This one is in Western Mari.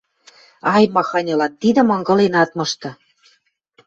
Ай, махань ылат, тидӹм ынгылен ат мышты: